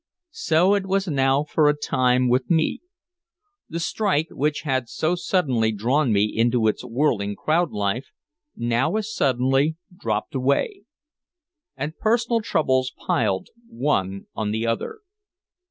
So it was now for a time with me. The strike, which had so suddenly drawn me into its whirling crowd life, now as suddenly dropped away. And personal troubles piled one on the other.